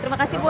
terima kasih bu